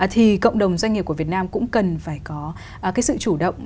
thì cộng đồng doanh nghiệp của việt nam cũng cần phải có cái sự chủ động